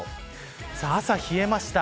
朝、冷えました。